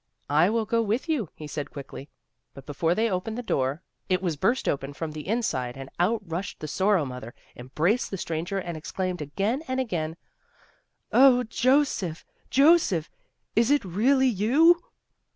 "I will go with you," he said quickly. But be fore they opened the door, it was burst open from the inside and out rushed the Sorrow mother, embraced the stranger, and exclaimed, again and again: "Oh, Joseph 1 Joseph! Is it really you?"